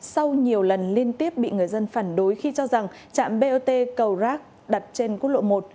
sau nhiều lần liên tiếp bị người dân phản đối khi cho rằng trạm bot cầu rác đặt trên quốc lộ một